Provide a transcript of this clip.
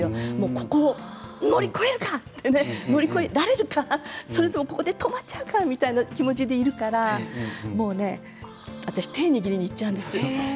ここを乗り越えるかって乗り越えられるかってそれとも、ここで止まっちゃうかみたいな気持ちでいるから私手を握っちゃうんです。